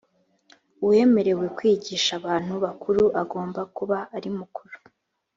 uwemerewe kwigisha abantu bakuru agomba kuba arimukuru.